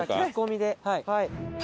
聞き込みではい。